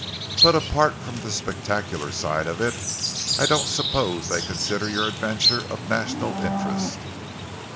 But apart from the spectacular side of it, I don't suppose they consider your adventure of national interest."